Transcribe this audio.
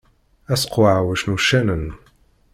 Askeɛwec n uccanen.